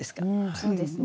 そうですね。